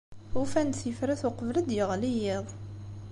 Ufan-d tifrat uqbel ad d-yeɣli yiḍ